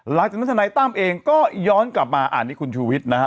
หลังจากนั้นท่านไหนตั้มเองก็ย้อนกลับมาอ่านี่คุณชูวิทย์นะฮะ